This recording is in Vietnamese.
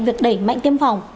việc đẩy mạnh tiêm phòng